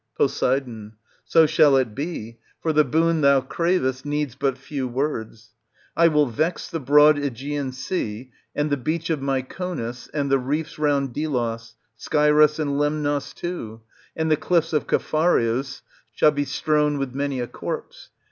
Pos. So shall it be, for the boon thou cravest needs but few words. I will vex the broad JEgean sea; and the beach of Myconus and thci reefs round Delos, Scyros and Lemnos too, and the cliffs of Caphareus shall be strown with many a corpse.